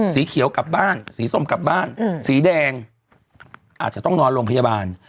สีเขียวกลับบ้านสีส้มกลับบ้านสีแดงอาจจะต้องนอนโรงพยาบาล